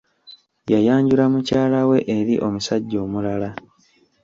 Yayanjula mukyala we eri omusajja omulala.